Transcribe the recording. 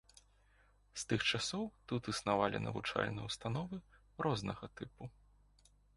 З тых часоў тут існавалі навучальныя ўстановы рознага тыпу.